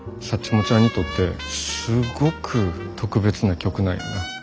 サッチモちゃんにとってすごく特別な曲なんやな。